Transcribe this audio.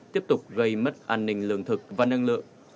tiếp tục gây mất an ninh lương thực và năng lượng